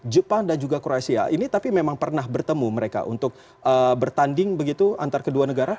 jepang dan juga kroasia ini tapi memang pernah bertemu mereka untuk bertanding begitu antar kedua negara